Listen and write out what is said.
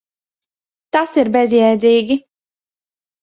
Tas ir bezjēdzīgi.